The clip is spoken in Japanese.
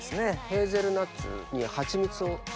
ヘーゼルナッツにはちみつを。